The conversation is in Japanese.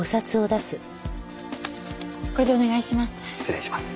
これでお願いします。